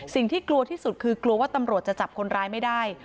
สิ่งที่กลัวที่สุดคือกลัวว่าตำรวจจะจับคนร้ายไม่ได้